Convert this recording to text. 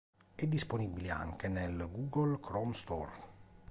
È disponibile anche nel Google Chrome Store.